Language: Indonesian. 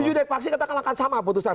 di judek paksi katakanlah akan sama putusan